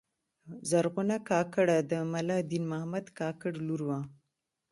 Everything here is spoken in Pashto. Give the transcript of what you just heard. زرغونه کاکړه د ملا دین محمد کاکړ لور وه.